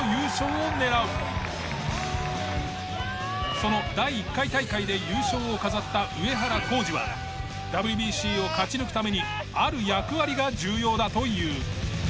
その第１回大会で優勝を飾った上原浩治はＷＢＣを勝ち抜くためにある役割が重要だという。